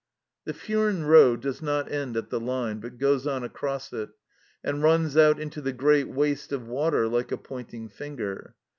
The Furnes road does not end at the line, but goes on across it, and runs out into the great waste of water like a pointing finger.